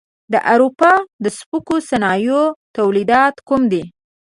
د اروپا د سپکو صنایعو تولیدات کوم دي؟